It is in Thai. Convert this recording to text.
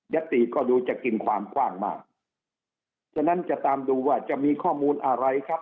ติก็ดูจะกินความกว้างมากฉะนั้นจะตามดูว่าจะมีข้อมูลอะไรครับ